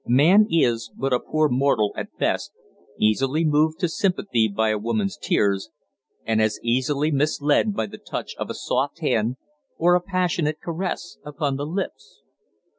Man is but a poor mortal at best, easily moved to sympathy by a woman's tears, and as easily misled by the touch of a soft hand or a passionate caress upon the lips.